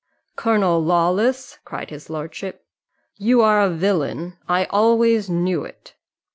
"Colonel Lawless," cried his lordship, "you are a villain. I always knew it."